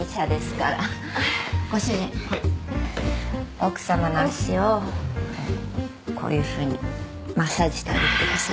奥様の足をこういうふうにマッサージしてあげてください。